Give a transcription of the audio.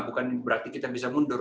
bukan berarti kita bisa mundur